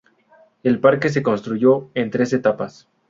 El parque se construyó en tres etapas.